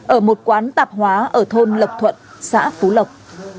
ở một quán tạp hóa ở thôn lộc thuận xã phú lộc